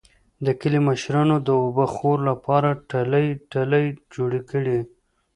د کلي مشرانو د اوبهخور لپاره ټلۍ ټلۍ جوړې کړې.